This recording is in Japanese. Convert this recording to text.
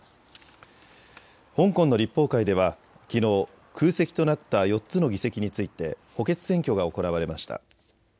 香港の立法会ではきのう空席となった４つの議席について補欠選挙が行われました。